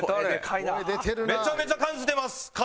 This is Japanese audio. めちゃめちゃ感じてます風。